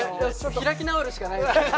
開き直るしかないですよね。